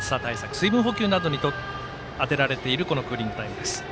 水分補給などに充てられているクーリングタイムです。